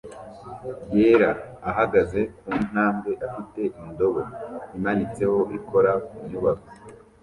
yera ahagaze ku ntambwe afite indobo imanitseho ikora ku nyubako